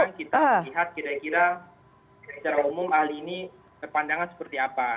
kita melihat kira kira secara umum ahli ini berpandangan seperti apa